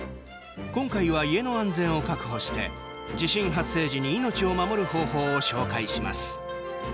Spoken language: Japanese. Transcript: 今回は家の安全を確保して地震発生時に命を守る方法を紹介します。